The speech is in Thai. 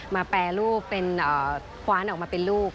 แปรรูปเป็นคว้านออกมาเป็นลูก